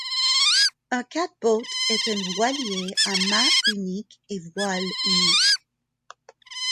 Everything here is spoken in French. Un catboat est un voilier à mât unique et voile unique.